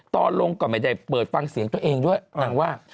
ตอนลงก็ไม่ได้เปิดฟังเสียงตัวเองด้วยนางว่า